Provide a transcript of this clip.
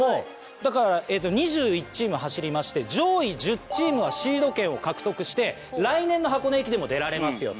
だから２１チーム走りまして上位１０チームはシード権を獲得して来年の箱根駅伝も出られますよと。